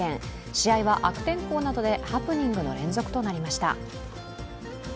試合は悪天候などでハプニングの連続となりました。